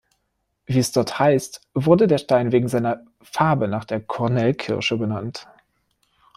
Wie es dort heißt, wurde der Stein „wegen seiner Farbe nach der Kornelkirsche benannt“.